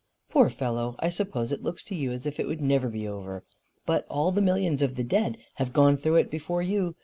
"Poor fellow! I suppose it looks to you as if it would never be over. But all the millions of the dead have got through it before you.